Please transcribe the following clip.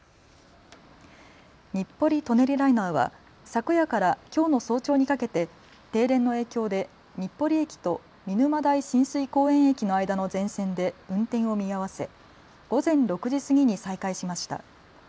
日暮里・舎人ライナーは昨夜からきょうの早朝にかけて停電の影響で日暮里駅と見沼代親水公園駅の間の全線で運転を見合わせ午前６時過ぎに再開しました。